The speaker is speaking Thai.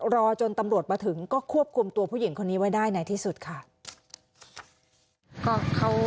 รอจนตำรวจมาถึงก็ควบคุมตัวผู้หญิงคนนี้ไว้ได้ในที่สุดค่ะ